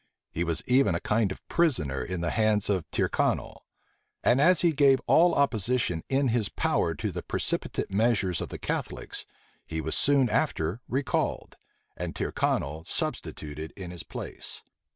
He was even a kind of prisoner in the hands of Tyrconnel: and as he gave all opposition in his power to the precipitate measures of the Catholics, he was soon after recalled, and Tyrconnel substituted in his place.